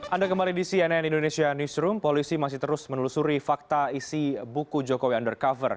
anda kembali di cnn indonesia newsroom polisi masih terus menelusuri fakta isi buku jokowi undercover